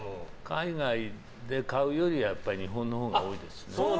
海外で買うより、やっぱり日本のほうが多いですね。